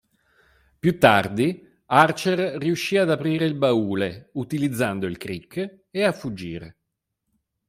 Più tardi, Archer riuscì ad aprire il baule utilizzando il crick e a fuggire.